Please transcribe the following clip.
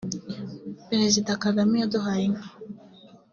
Perezida Kagame yaduhaye inka